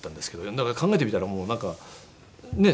だから考えてみたらなんかねえ。